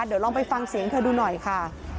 เดี๋ยวลองไปฟังเสียงเธอดูหน่อยค่ะ